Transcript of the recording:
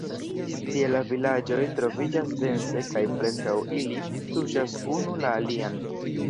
Tie la vilaĝoj troviĝas dense kaj preskaŭ ili tuŝas unu la alian.